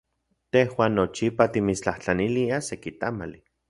Tejuan nochipa timitstlajtlaniliaj seki tamali.